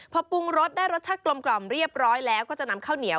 พอปรุงรสได้รสชาติกลมเรียบร้อยแล้วก็จะนำข้าวเหนียว